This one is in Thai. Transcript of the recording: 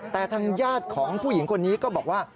แต่ทางญาติของผู้หญิงคนนี้ก็บอกว่า